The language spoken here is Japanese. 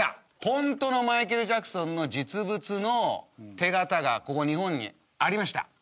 ホントのマイケル・ジャクソンの実物の手形がここ日本にありました。